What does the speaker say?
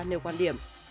nêu quan điểm